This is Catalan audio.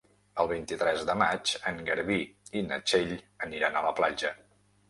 El vint-i-tres de maig en Garbí i na Txell aniran a la platja.